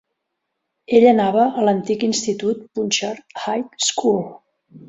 Ell anava a l'antic institut Punchard High School.